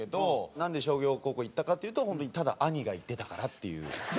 なんで商業高校行ったかというと本当にただ兄が行ってたからっていう。